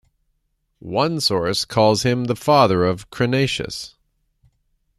One source calls him father of Crinacus.